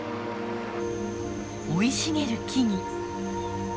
生い茂る木々。